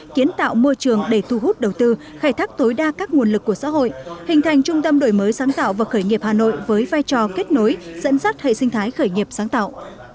kiến tạo môi trường để thu hút đầu tư khai thác tối đa các nguồn lực của xã hội hình thành trung tâm đổi mới sáng tạo và khởi nghiệp hà nội với vai trò kết nối dẫn dắt hệ sinh thái khởi nghiệp sáng tạo